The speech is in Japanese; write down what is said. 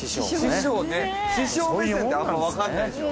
師匠目線ってあんまわかんないでしょう